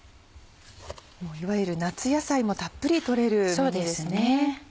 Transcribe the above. いわゆる夏野菜もたっぷり取れるメニューですね。